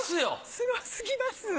すごすぎます！